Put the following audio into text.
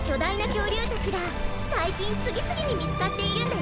きょうりゅうたちがさいきんつぎつぎにみつかっているんだよ！